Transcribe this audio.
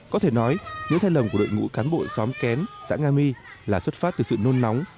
có thể nói những sai lầm của đội ngũ cán bộ xóm kén xã nga my là xuất phát từ sự nôn nóng